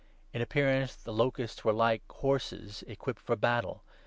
In appearance the locusts were like horses equipped 7 for battle.